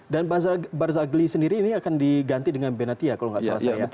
dan barzagli sendiri ini akan diganti dengan benatia kalau nggak salah saya